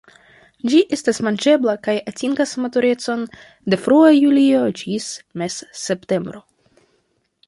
Ĝi estas manĝebla, kaj atingas maturecon de frua julio ĝis mez-septembro.